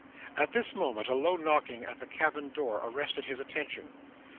At this moment, a low knocking at the cabin door arrested his attention.